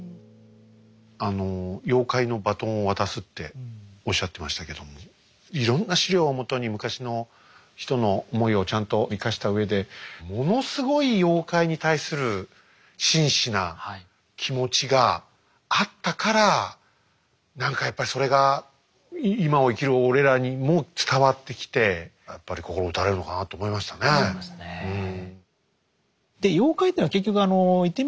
あの妖怪のバトンを渡すっておっしゃってましたけどもいろんな資料をもとに昔の人の思いをちゃんと生かしたうえでものすごい妖怪に対する真摯な気持ちがあったから何かやっぱりそれが今を生きる俺らにも伝わってきてやっぱり心打たれるのかなと思いましたねうん。